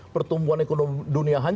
pertumbuhan ekonomi dunia sekarang